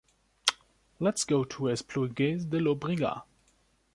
Let's go to Esplugues de Llobregat.